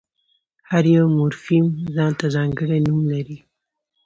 هر یو مورفیم ځان ته ځانګړی نوم لري.